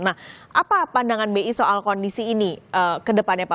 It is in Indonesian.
nah apa pandangan bi soal kondisi ini ke depannya pak